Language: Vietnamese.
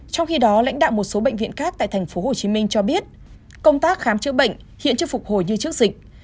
trong khi đó lãnh đạo một số bệnh viện khác tại tp hcm cho biết công tác khám chữa bệnh hiện chưa phục hồi như trước dịch